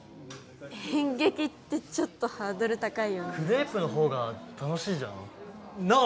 演劇ってちょっとハードル高いよねクレープの方が楽しいじゃんなあ